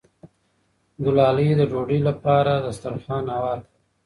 ګلالۍ د ډوډۍ لپاره دسترخوان هوار کړ.